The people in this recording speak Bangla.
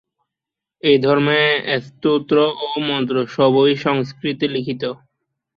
এই ধর্মে স্তোত্র ও মন্ত্র সবই সংস্কৃতে লিখিত।